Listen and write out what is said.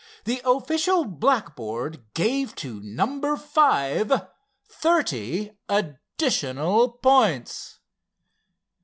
The official blackboard gave to number five thirty additional points.